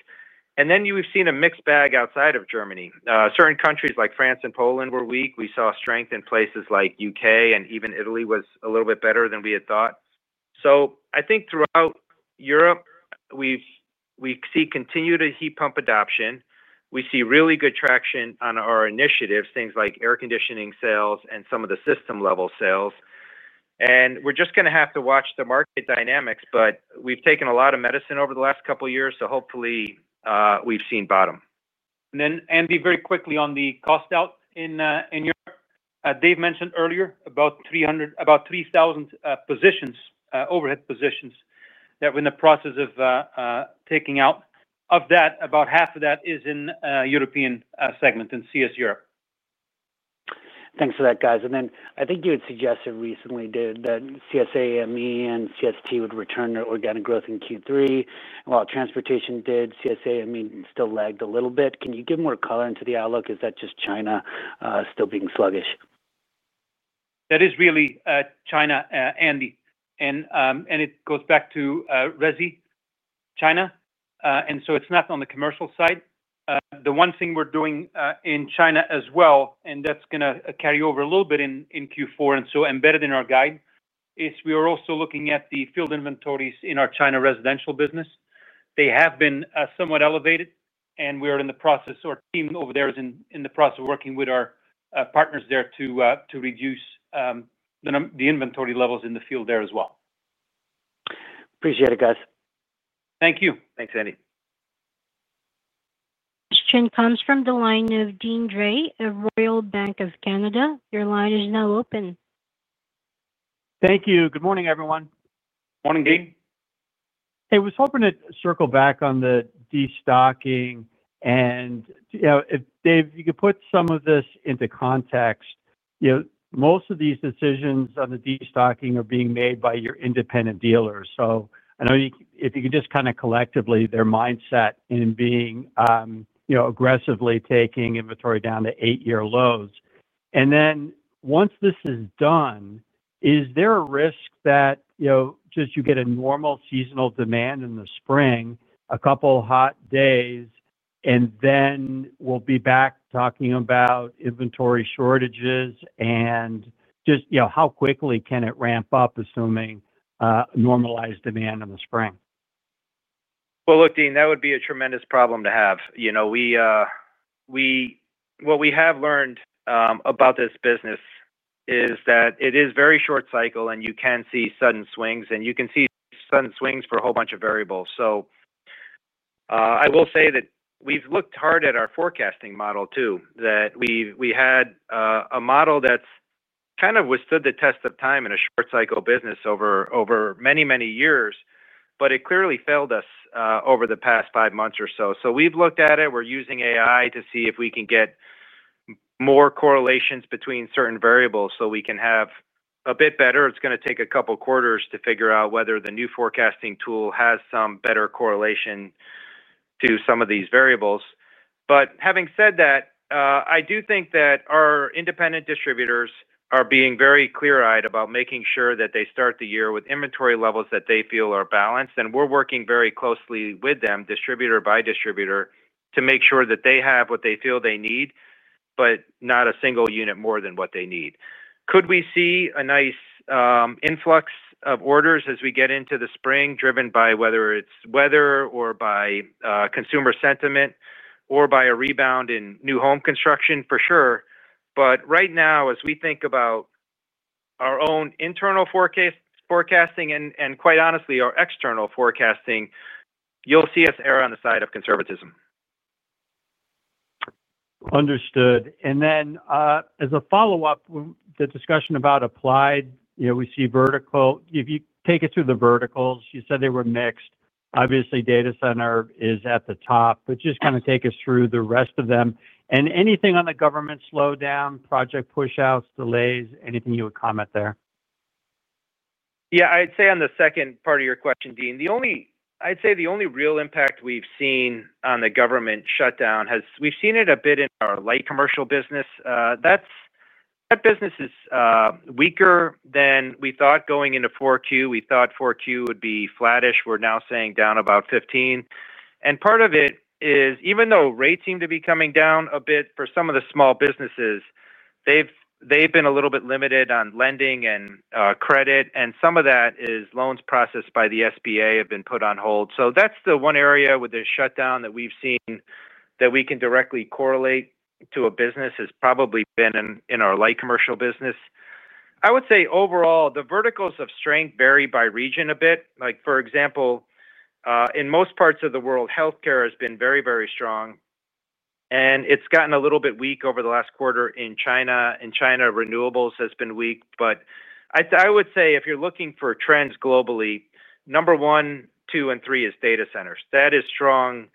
We've seen a mixed bag outside of Germany. Certain countries like France and Poland were weak. We saw strength in places like UK, and even Italy was a little bit better than we had thought. Throughout Europe, we see continued heat pump adoption. We see really good traction on our initiatives, things like air conditioning sales and some of the system level sales. We're just going to have to watch the market dynamics, but we've taken a lot of medicine over the last couple of years, so hopefully we've seen bottom. Very quickly on the cost out in Europe, Dave mentioned earlier about 3,000 positions, overhead positions that we're in the process of taking out. Of that, about half of that is in the European segment in CS Europe. Thanks for that, guys. I think you had suggested recently, Dave, that CSAME and CST would return their organic growth in Q3. While transportation did, CSAME still lagged a little bit. Can you give more color into the outlook? Is that just China still being sluggish? That is really China, Andy. It goes back to resi, China, and it's not on the commercial side. The one thing we're doing in China as well, and that's going to carry over a little bit in Q4, and so embedded in our guide, is we are also looking at the field inventories in our China residential business. They have been somewhat elevated, and we are in the process, or the team over there is in the process of working with our partners there to reduce the inventory levels in the field there as well. Appreciate it, guys. Thank you. Thanks, Andy. Question comes from the line of Deane Dray of Royal Bank of Canada. Your line is now open. Thank you. Good morning, everyone. Morning, Dean. Hey, I was hoping to circle back on the destocking. If Dave, you could put some of this into context. Most of these decisions on the destocking are being made by your independent dealers. I know if you could just kind of collectively, their mindset in being aggressively taking inventory down to eight-year lows. Once this is done, is there a risk that you get a normal seasonal demand in the spring, a couple of hot days, and then we'll be back talking about inventory shortages? Just how quickly can it ramp up assuming a normalized demand in the spring? Look, Dean, that would be a tremendous problem to have. What we have learned about this business is that it is very short cycle, and you can see sudden swings, and you can see sudden swings for a whole bunch of variables. I will say that we've looked hard at our forecasting model too, that we had a model that's kind of withstood the test of time in a short cycle business over many, many years, but it clearly failed us over the past five months or so. We've looked at it. We're using AI to see if we can get more correlations between certain variables so we can have a bit better. It's going to take a couple of quarters to figure out whether the new forecasting tool has some better correlation to some of these variables. Having said that, I do think that our independent distributors are being very clear-eyed about making sure that they start the year with inventory levels that they feel are balanced. We're working very closely with them, distributor by distributor, to make sure that they have what they feel they need, but not a single unit more than what they need. Could we see a nice influx of orders as we get into the spring, driven by whether it's weather or by consumer sentiment or by a rebound in new home construction? For sure. Right now, as we think about our own internal forecasting and quite honestly, our external forecasting, you'll see us err on the side of conservatism. Understood. As a follow-up, the discussion about applied, you know, we see vertical. If you take us through the verticals, you said they were mixed. Obviously, data center is at the top, just kind of take us through the rest of them. Anything on the government slowdown, project push-outs, delays, anything you would comment there? I'd say on the second part of your question, Dean, the only real impact we've seen on the government shutdown has been in our light commercial business. That business is weaker than we thought going into 4Q. We thought 4Q would be flattish. We're now saying down about 15%. Part of it is, even though rates seem to be coming down a bit for some of the small businesses, they've been a little bit limited on lending and credit, and some of that is loans processed by the SBA have been put on hold. That's the one area with the shutdown that we've seen that we can directly correlate to a business has probably been in our light commercial business. I would say overall, the verticals of strength vary by region a bit. For example, in most parts of the world, healthcare has been very, very strong, and it's gotten a little bit weak over the last quarter in China. In China, renewables have been weak. If you're looking for trends globally, number one, two, and three is data centers. That is strong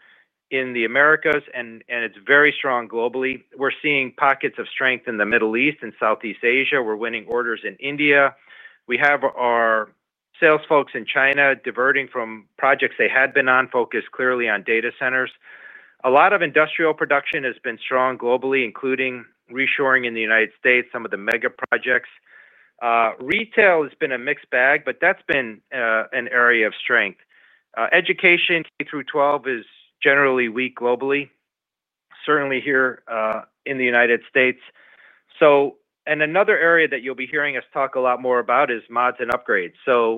in the Americas, and it's very strong globally. We're seeing pockets of strength in the Middle East and Southeast Asia. We're winning orders in India. We have our sales folks in China diverting from projects they had been on, focused clearly on data centers. A lot of industrial production has been strong globally, including reshoring in the U.S., some of the mega projects. Retail has been a mixed bag, but that's been an area of strength. Education, K through 12, is generally weak globally, certainly here in the U.S. Another area that you'll be hearing us talk a lot more about is mods and upgrades.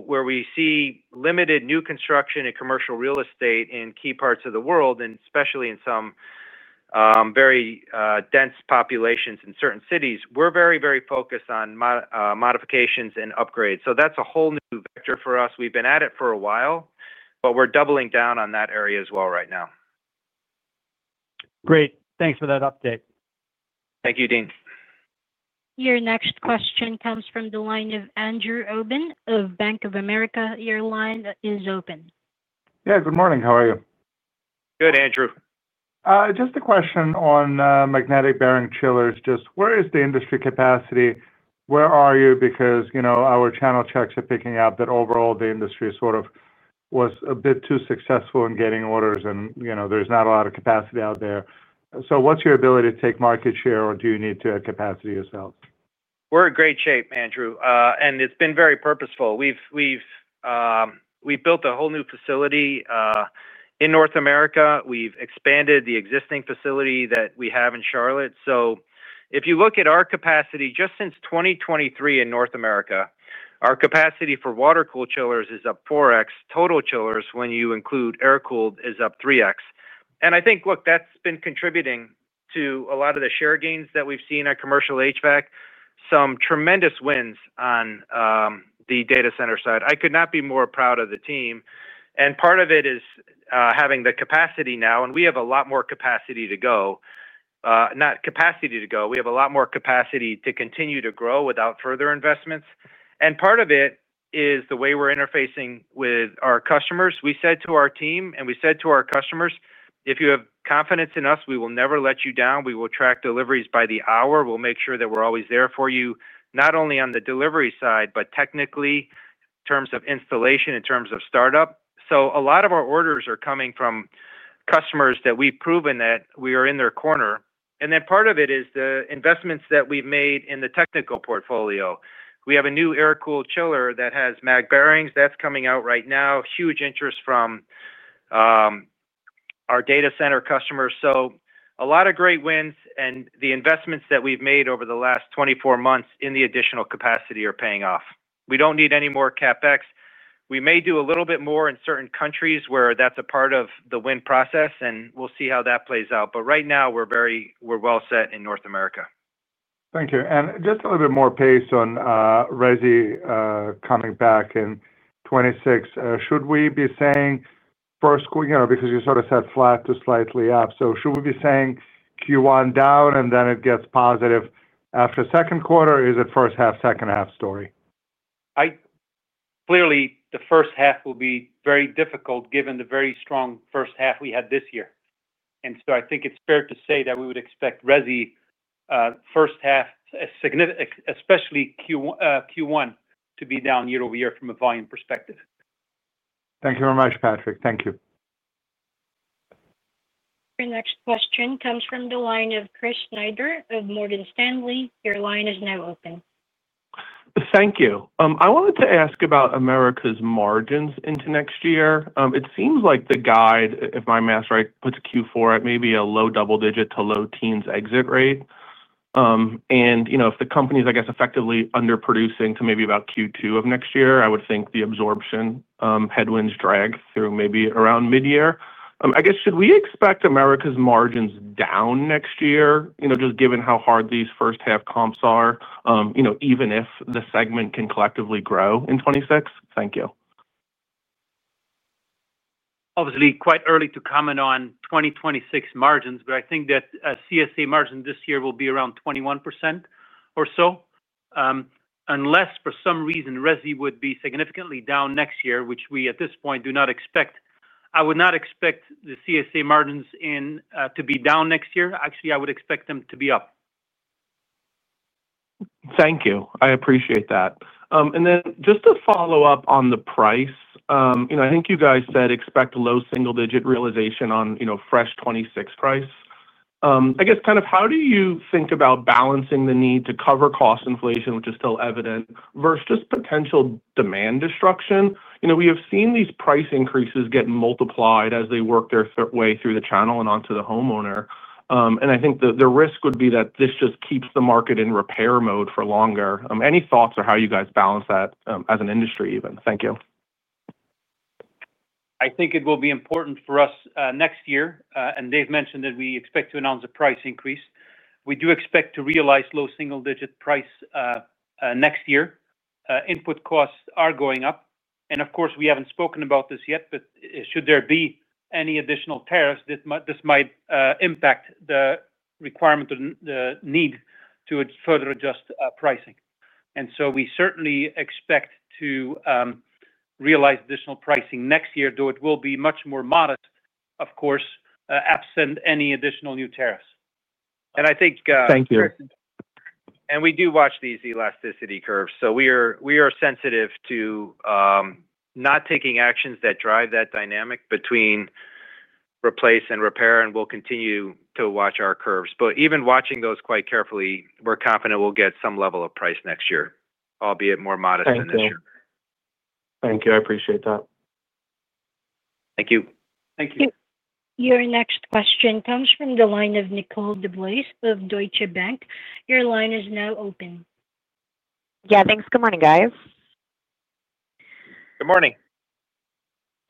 Where we see limited new construction and commercial real estate in key parts of the world, and especially in some very dense populations in certain cities, we're very, very focused on modifications and upgrades. That's a whole new vector for us. We've been at it for a while, but we're doubling down on that area as well right now. Great. Thanks for that update. Thank you, Dean. Your next question comes from the line of Andrew Obin of Bank of America. Your line is open. Yeah, good morning. How are you? Good, Andrew. Just a question on magnetic bearing chillers. Where is the industry capacity? Where are you? Our channel checks are picking up that overall the industry was a bit too successful in getting orders, and there's not a lot of capacity out there. What's your ability to take market share, or do you need to add capacity yourself? We're in great shape, Andrew. It's been very purposeful. We've built a whole new facility in North America. We've expanded the existing facility that we have in Charlotte. If you look at our capacity just since 2023 in North America, our capacity for water-cooled chillers is up 4x. Total chillers, when you include air-cooled, is up 3x. I think that's been contributing to a lot of the share gains that we've seen at commercial HVAC. Some tremendous wins on the data center side. I could not be more proud of the team. Part of it is having the capacity now, and we have a lot more capacity to go. Not capacity to go, we have a lot more capacity to continue to grow without further investments. Part of it is the way we're interfacing with our customers. We said to our team, and we said to our customers, if you have confidence in us, we will never let you down. We will track deliveries by the hour. We'll make sure that we're always there for you, not only on the delivery side, but technically in terms of installation, in terms of startup. A lot of our orders are coming from customers that we've proven that we are in their corner. Part of it is the investments that we've made in the technical portfolio. We have a new air-cooled chiller that has mag bearings. That's coming out right now. Huge interest from our data center customers. A lot of great wins, and the investments that we've made over the last 24 months in the additional capacity are paying off. We don't need any more CapEx. We may do a little bit more in certain countries where that's a part of the win process, and we'll see how that plays out. Right now, we're very, we're well set in North America. Thank you. Just a little bit more pace on resi coming back in 2026. Should we be saying first, you know, because you sort of said flat to slightly up, should we be saying Q1 down and then it gets positive after the second quarter, or is it first half, second half story? Clearly, the first half will be very difficult given the very strong first half we had this year. I think it's fair to say that we would expect CSA resi first half, especially Q1, to be down year over year from a volume perspective. Thank you very much, Patrick. Thank you. Your next question comes from the line of Chris Snyder of Morgan Stanley. Your line is now open. Thank you. I wanted to ask about Americas margins into next year. It seems like the guide, if my math's right, puts Q4 at maybe a low double digit to low teens exit rate. You know, if the company's, I guess, effectively underproducing to maybe about Q2 of next year, I would think the absorption headwinds drag through maybe around mid-year. Should we expect Americas margins down next year, just given how hard these first half comps are, even if the segment can collectively grow in 2026? Thank you. Obviously, quite early to comment on 2026 margins, but I think that CSA margin this year will be around 21% or so. Unless for some reason resi would be significantly down next year, which we at this point do not expect, I would not expect the CSA margins to be down next year. Actually, I would expect them to be up. Thank you. I appreciate that. Just to follow up on the price, I think you guys said expect low single-digit realization on fresh 2026 price. I guess, how do you think about balancing the need to cover cost inflation, which is still evident, versus just potential demand destruction? We have seen these price increases get multiplied as they work their way through the channel and onto the homeowner. I think the risk would be that this just keeps the market in repair mode for longer. Any thoughts on how you guys balance that as an industry even? Thank you. I think it will be important for us next year, and Dave mentioned that we expect to announce a price increase. We do expect to realize low single-digit price next year. Input costs are going up. Of course, we haven't spoken about this yet, but should there be any additional tariffs, this might impact the requirement or the need to further adjust pricing. We certainly expect to realize additional pricing next year, though it will be much more modest, of course, absent any additional new tariffs. I think. Thank you. We do watch these elasticity curves. We are sensitive to not taking actions that drive that dynamic between replace and repair, and we'll continue to watch our curves. Even watching those quite carefully, we're confident we'll get some level of price next year, albeit more modest than this year. Thank you. I appreciate that. Thank you. Thank you. Your next question comes from the line of Nicole DeBlase of Deutsche Bank. Your line is now open. Thanks. Good morning, guys. Good morning.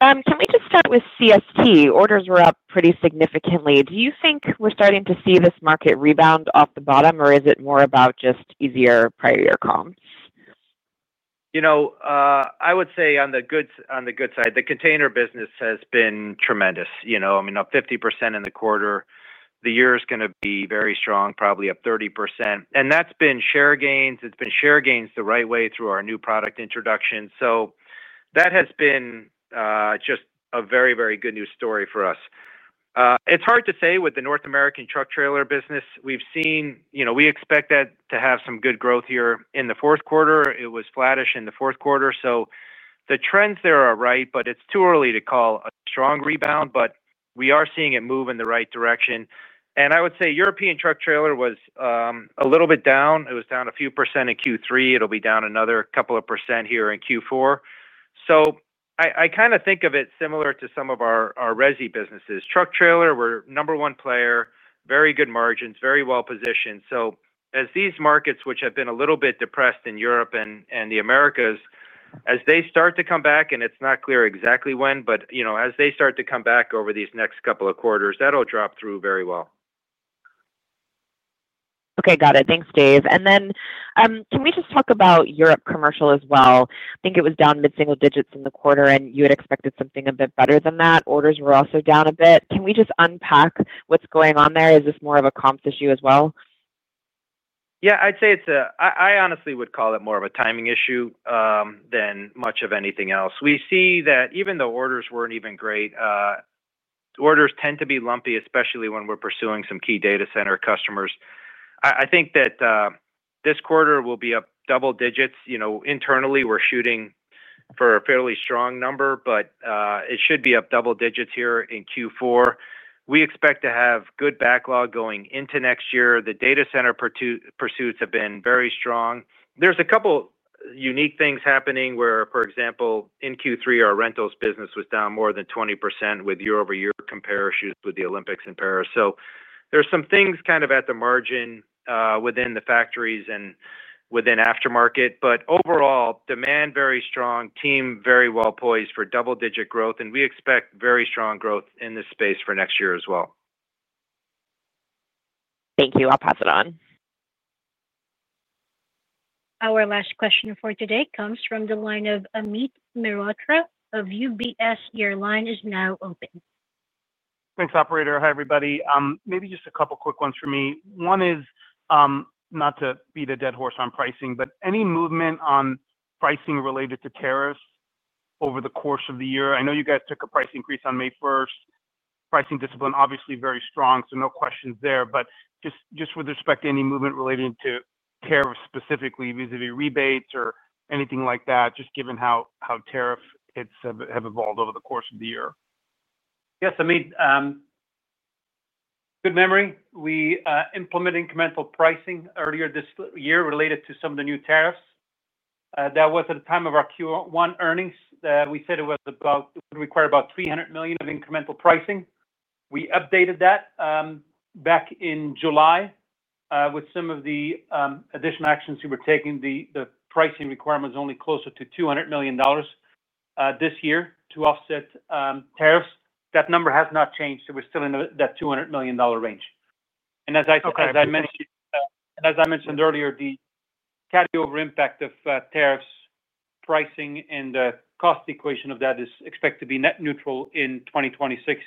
Can we just start with CST? Orders were up pretty significantly. Do you think we're starting to see this market rebound off the bottom, or is it more about just easier prior year comps? I would say on the good side, the container business has been tremendous. I mean, up 50% in the quarter. The year is going to be very strong, probably up 30%. That's been share gains. It's been share gains the right way through our new product introduction. That has been just a very, very good news story for us. It's hard to say with the North American truck trailer business. We expect that to have some good growth here in the fourth quarter. It was flattish in the fourth quarter. The trends there are right, but it's too early to call a strong rebound. We are seeing it move in the right direction. I would say European truck trailer was a little bit down. It was down a few percent in Q3. It'll be down another couple of percent here in Q4. I kind of think of it similar to some of our resi businesses. Truck trailer, we're number one player, very good margins, very well positioned. As these markets, which have been a little bit depressed in Europe and the Americas, start to come back, and it's not clear exactly when, as they start to come back over these next couple of quarters, that'll drop through very well. Okay, got it. Thanks, Dave. Can we just talk about Europe commercial as well? I think it was down mid-single digits in the quarter, and you had expected something a bit better than that. Orders were also down a bit. Can we just unpack what's going on there? Is this more of a comps issue as well? Yeah, I'd say it's a, I honestly would call it more of a timing issue than much of anything else. We see that even though orders weren't even great, orders tend to be lumpy, especially when we're pursuing some key data center customers. I think that this quarter will be up double digits. You know, internally, we're shooting for a fairly strong number, but it should be up double digits here in Q4. We expect to have good backlog going into next year. The data center pursuits have been very strong. There's a couple of unique things happening where, for example, in Q3, our rentals business was down more than 20% with year-over-year comparisons with the Olympics in Paris. There are some things kind of at the margin within the factories and within aftermarket. Overall, demand very strong, team very well poised for double-digit growth, and we expect very strong growth in this space for next year as well. Thank you. I'll pass it on. Our last question for today comes from the line of Amit Mehrotra of UBS. Your line is now open. Thanks, operator. Hi, everybody. Maybe just a couple of quick ones for me. One is not to beat a dead horse on pricing, but any movement on pricing related to tariffs over the course of the year? I know you guys took a price increase on May 1st. Pricing discipline obviously very strong, so no questions there. Just with respect to any movement related to tariffs specifically, vis-à-vis rebates or anything like that, just given how tariffs have evolved over the course of the year. Yes, Amit. Good memory. We implemented incremental pricing earlier this year related to some of the new tariffs. That was at the time of our Q1 earnings. We said it would require about $300 million of incremental pricing. We updated that back in July with some of the additional actions we were taking. The pricing requirement was only closer to $200 million this year to offset tariffs. That number has not changed. We are still in that $200 million range. As I mentioned earlier, the carryover impact of tariffs, pricing, and the cost equation of that is expected to be net neutral in 2026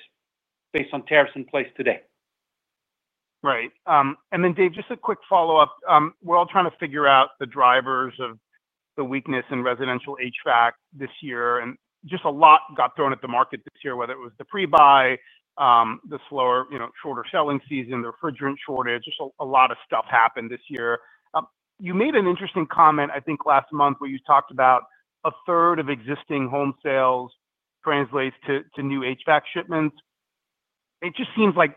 based on tariffs in place today. Right. Dave, just a quick follow-up. We are all trying to figure out the drivers of the weakness in residential HVAC this year, and just a lot got thrown at the market this year, whether it was the pre-buy, the slower, shorter selling season, the refrigerant shortage, just a lot of stuff happened this year. You made an interesting comment, I think, last month where you talked about a third of existing home sales translates to new HVAC shipments. It just seems like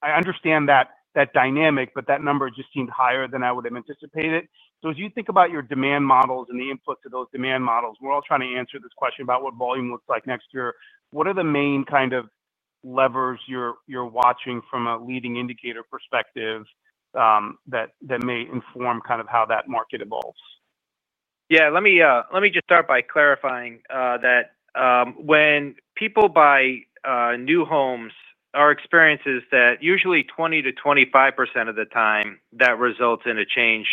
I understand that dynamic, but that number just seemed higher than I would have anticipated. As you think about your demand models and the inputs of those demand models, we are all trying to answer this question about what volume looks like next year. What are the main kind of levers you are watching from a leading indicator perspective that may inform how that market evolves? Let me just start by clarifying that when people buy new homes, our experience is that usually 20%-25% of the time that results in a change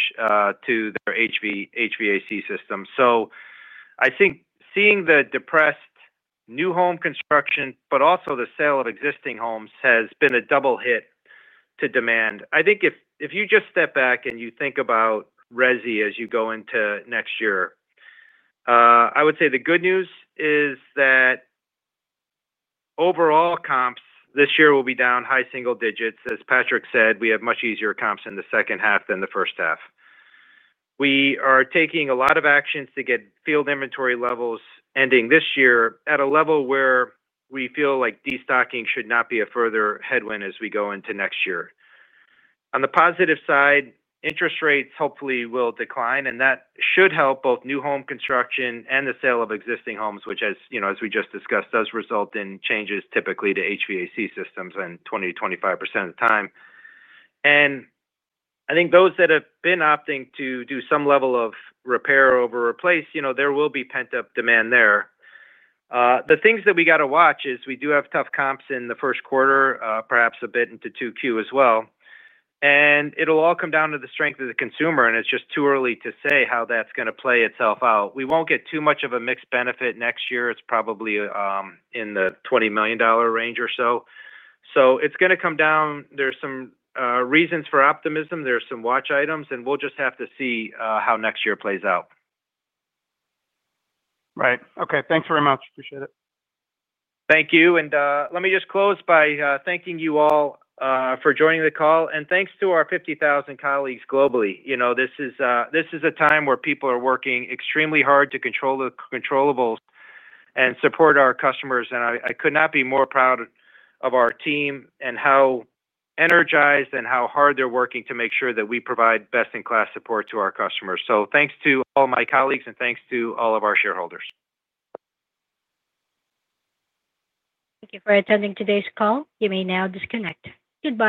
to their HVAC system. I think seeing the depressed new home construction, but also the sale of existing homes, has been a double hit to demand. If you just step back and you think about resi as you go into next year, I would say the good news is that overall comps this year will be down high single digits. As Patrick said, we have much easier comps in the second half than the first half. We are taking a lot of actions to get field inventory levels ending this year at a level where we feel like destocking should not be a further headwind as we go into next year. On the positive side, interest rates hopefully will decline, and that should help both new home construction and the sale of existing homes, which, as you know, as we just discussed, does result in changes typically to HVAC systems in 20%-25% of the time. I think those that have been opting to do some level of repair over replace, there will be pent-up demand there. The things that we got to watch is we do have tough comps in the first quarter, perhaps a bit into 2Q as well. It will all come down to the strength of the consumer, and it's just too early to say how that's going to play itself out. We won't get too much of a mixed benefit next year. It's probably in the $20 million range or so. It's going to come down. There are some reasons for optimism. There are some watch items, and we'll just have to see how next year plays out. Right. Okay, thanks very much. Appreciate it. Thank you. Let me just close by thanking you all for joining the call. Thanks to our 50,000 colleagues globally. This is a time where people are working extremely hard to control the controllables and support our customers. I could not be more proud of our team and how energized and how hard they're working to make sure that we provide best-in-class support to our customers. Thanks to all my colleagues and thanks to all of our shareholders. Thank you for attending today's call. You may now disconnect. Goodbye.